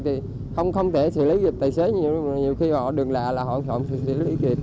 thì không thể xử lý dịch tài xế nhiều nhiều khi họ đường lạ là họ không xử lý dịch